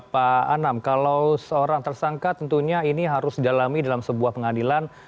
pak anam kalau seorang tersangka tentunya ini harus didalami dalam sebuah pengadilan